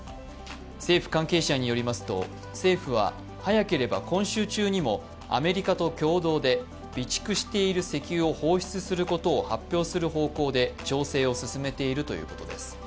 政府関係者によりますと、政府は早ければ今週中にもアメリカと共同で備蓄している石油を放出する方向で発表する方向で調整を進めているということです。